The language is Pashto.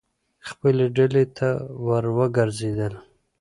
خپلې ډلې ته ور وګرځېدل.